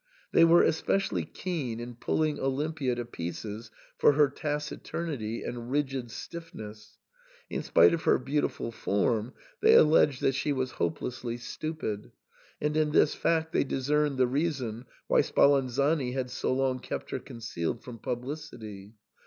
They were especially keen in pulling Olimpia to pieces for her taciturnity and rigid stiffness ; in spite of her beautiful form they alleged that she was hope lessly stupid, and in this fact they discerned the reason why Spalanzani had so long kept her concealed from publicity.